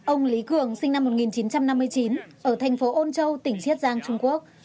ông lý cường sinh năm một nghìn chín trăm năm mươi chín ở thành phố ôn châu tỉnh chiết giang trung quốc